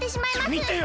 みてよ